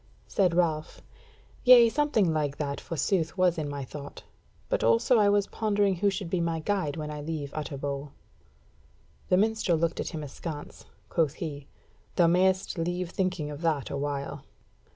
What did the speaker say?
Said Ralph: "Yea, something like that, forsooth, was my thought. But also I was pondering who should be my guide when I leave Utterbol." The minstrel looked at him askance; quoth he: "Thou mayst leave thinking of that awhile."